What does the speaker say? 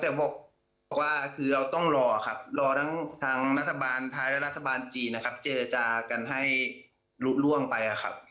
แต่บอกว่าคือเราต้องรอครับรอทั้งทางรัฐบาลไทยและรัฐบาลจีนนะครับเจจากันให้ลุล่วงไปครับ